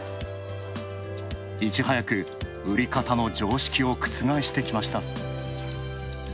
いち早く売り方の常識を覆してきました。